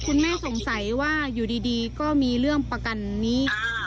คุณแม่สงสัยว่าอยู่ดีก็มีเรื่องประกันนี้